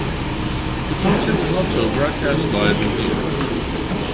The concert was also broadcast live in theaters.